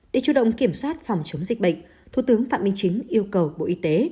để chủ động kiểm soát phòng chống dịch bệnh thủ tướng phạm minh chính yêu cầu bộ y tế